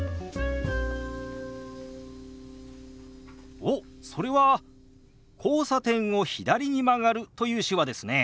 おっそれは「交差点を左に曲がる」という手話ですね。